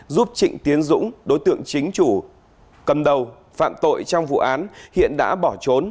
giúp trịnh tiến dũng đối tượng chính chủ cầm đầu phạm tội trong vụ án hiện đã bỏ trốn